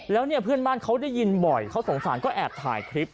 แล้วเนี่ยเพื่อนบ้านเขาได้ยินบ่อยเขาสงสารก็แอบถ่ายคลิป